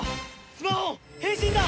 スマホーン変身だ！